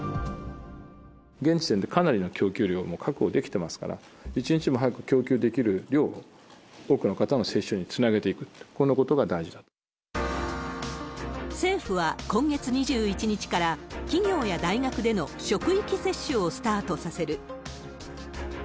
現時点でかなりの供給量も確保できてますから、一日も早く供給できる量を多くの方の接種につなげていく、政府は、今月２１日から企業や大学での職域接種をスタートさせる。